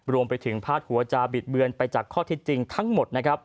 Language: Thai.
รวมไปถึงพาดหัวจาบิดเบือนไปจากข้อทิศจริงทั้งหมด